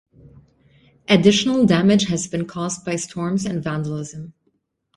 Additional damage has been caused by storms and vandalism.